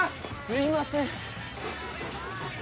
すいません。